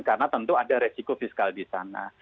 karena tentu ada resiko fiskal di sana